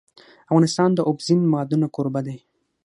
افغانستان د اوبزین معدنونه کوربه دی.